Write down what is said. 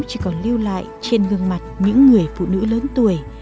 chỉ còn lưu lại trên gương mặt những người phụ nữ lớn tuổi